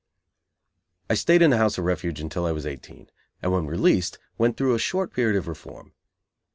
_ I stayed in the House of Refuge until I was eighteen, and when released, went through a short period of reform.